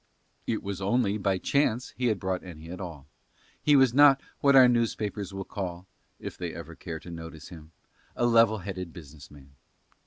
It was only by chance he had brought any at all; he was not what our newspapers will call, if they ever care to notice him, a level headed business man.